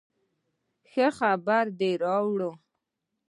ښه خبر دې راوړ